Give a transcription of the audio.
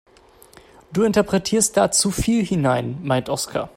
Du interpretierst da zu viel hinein, meint Oskar.